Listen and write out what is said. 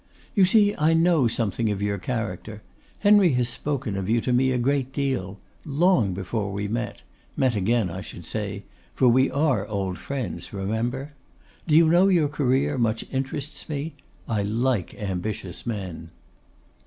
'You see I know something of your character. Henry has spoken of you to me a great deal; long before we met, met again, I should say, for we are old friends, remember. Do you know your career much interests me? I like ambitious men.